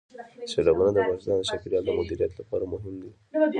سیلابونه د افغانستان د چاپیریال د مدیریت لپاره مهم دي.